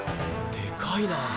でかいな。